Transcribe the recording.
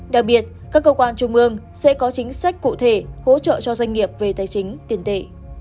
đặc biệt các cơ quan trung ương sẽ có chính sách cụ thể hỗ trợ cho doanh nghiệp về tài chính tiền tệ